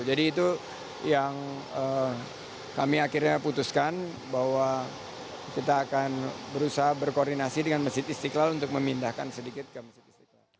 jadi itu yang kami akhirnya putuskan bahwa kita akan berusaha berkoordinasi dengan masjid istiqlal untuk memindahkan sedikit ke masjid istiqlal